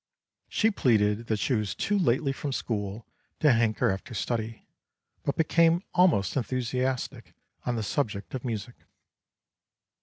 She pleaded that she was too lately from school to hanker after study, but became almost enthusiastic on the subject of music.